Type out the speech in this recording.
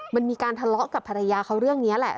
มันมีการทะเลาะกับภรรยาเขาเรื่องนี้แหละ